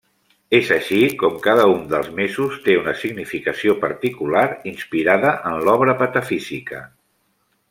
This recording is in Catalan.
És així com cada un dels mesos té una significació particular inspirada en l'obra patafísica.